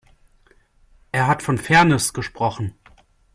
Er hat von Fairness gesprochen.